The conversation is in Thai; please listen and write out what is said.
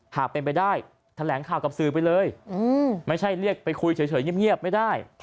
หากเป็นไปได้แถลงข่าวกับสื่อไปเลยไม่ใช่เรียกไปคุยเฉยเงียบไม่ได้